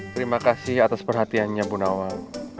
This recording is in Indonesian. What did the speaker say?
terima kasih atas perhatiannya bu nawal